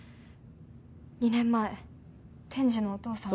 ２年前天智のお父さん。